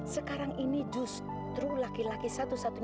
sekarang ini justru laki laki satu satunya